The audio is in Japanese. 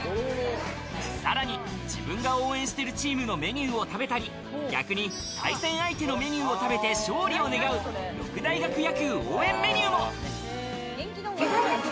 さらに自分が応援しているチームのメニューを食べたり、逆に対戦相手のメニューを食べて勝利を願う六大学野球応援メニューも。